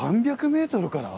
３００ｍから？